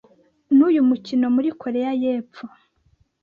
n’uyu mukino muri Korea y’Epfo.